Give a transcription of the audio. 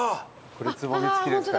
これつぼみ付きですから。